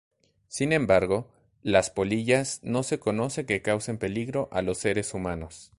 Sin embargo, las polillas no se conoce que causen peligro a los seres humanos.